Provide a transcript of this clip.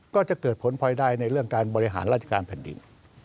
ก็จะเกิดผลพลอยได้ในเรื่องการบริหารราชการแผ่นดิน